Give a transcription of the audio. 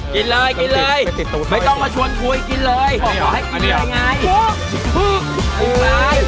กินเลยไม่ต้องมาชวนถุยกินเลย